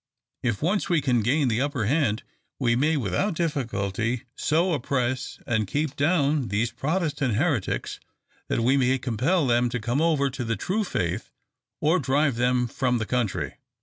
If once we can gain the upper hand, we may without difficulty so oppress and keep down these Protestant heretics that we may compel them to come over to the true faith, or drive them from the country."